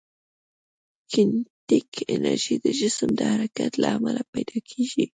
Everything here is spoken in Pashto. کینیتیک انرژي د جسم د حرکت له امله پیدا کېږي.